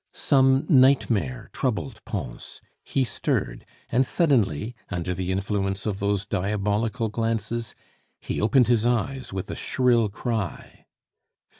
Some nightmare troubled Pons; he stirred, and suddenly, under the influence of those diabolical glances, he opened his eyes with a shrill cry.